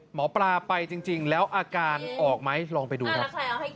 หมอปลาไปจริงแล้วอาการออกไหมลองไปดูครับ